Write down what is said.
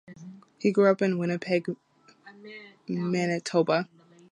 He grew up in Winnipeg, Manitoba.